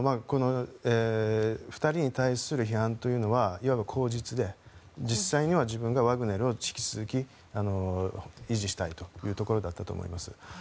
２人に対する批判というのはいわば口実で実際には自分がワグネルを引き続き維持したいというところだったと思います。